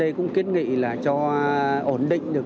đây cũng kiến nghị là cho ổn định được